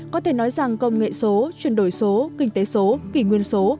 có thể nói rằng công nghệ số chuyển đổi số kinh tế số kỷ nguyên số